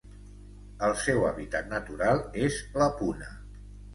El seu hàbitat natural és la puna.